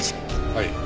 はい。